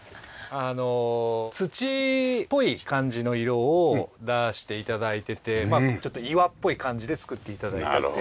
あの土っぽい感じの色を出して頂いててちょっと岩っぽい感じで造って頂いたっていう。